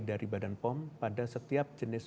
dari badan pom pada setiap jenis